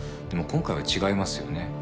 でも今回は違いますよね。